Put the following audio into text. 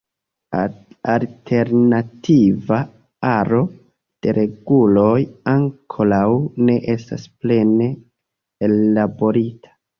Alternativa aro de reguloj ankoraŭ ne estas plene ellaborita.